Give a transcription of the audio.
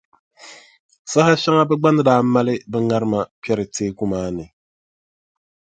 Saha shɛŋa bɛ gba ni daa mali bɛ ŋarima kpɛri teeku maa ni.